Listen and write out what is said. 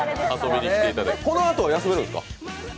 このあと休めるんですか？